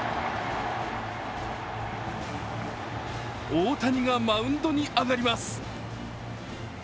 大谷がマウンドに上がります。